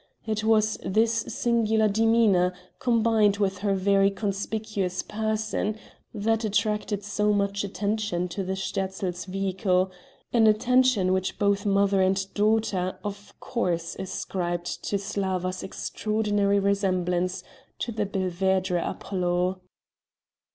It was this singular demeanor, combined with her very conspicuous person, that attracted so much attention to the Sterzls' vehicle an attention which both mother and daughter, of course ascribed to Slawa's extraordinary resemblance to the Belvedere Apollo.